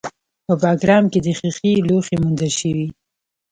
په بګرام کې د ښیښې لوښي موندل شوي